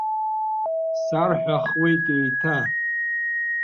Сарҳәахуеит еиҭа.